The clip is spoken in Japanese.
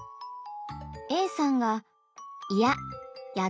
Ａさんが「いやっ！